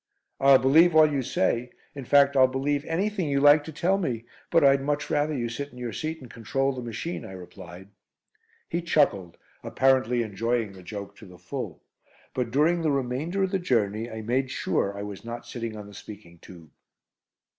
"I'll believe all you say. In fact I'll believe anything you like to tell me, but I'd much rather you sit in your seat and control the machine," I replied. He chuckled, apparently enjoying the joke to the full, but during the remainder of the journey I made sure I was not sitting on the speaking tube.